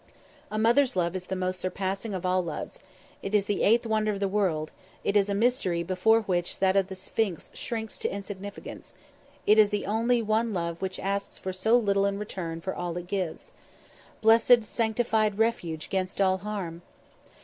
A mother's love is the most surpassing of all loves; it is the eighth wonder of the world; it is a mystery before which that of the Sphinx shrinks to insignificance; it is the one love which asks for so very little in return for all it gives. Blessed, sanctified refuge against all harm!